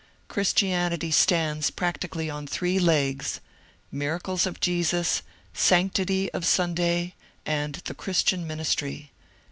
Christianity stands practically on three legs, — Miracles of Jesus, Sanctity of Sunday, and the Christian Ministry.